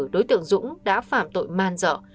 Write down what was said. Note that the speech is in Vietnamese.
đối tượng dũng đã phạm tội man dọ